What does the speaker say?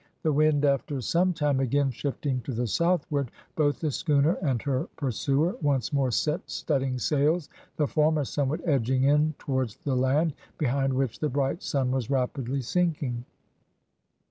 The wind after some time again shifting to the southward, both the schooner and her pursuer once more set studding sails, the former somewhat edging in towards the land, behind which the bright sun was rapidly sinking.